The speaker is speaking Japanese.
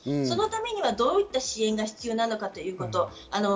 そのためにはどういった支援が必要なのかということ。